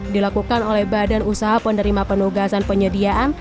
dilakukan oleh badan usaha penerima penugasan penyediaan